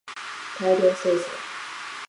大量生産